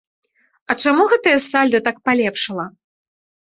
А чаму гэтае сальда так палепшала?